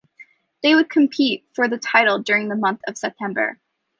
They would compete for the title during the month of September.